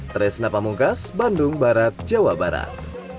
tresna pamungkas bandung barat jawa barat